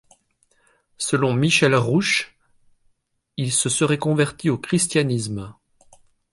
Selon Michel Rouche, il se serait converti au christianisme.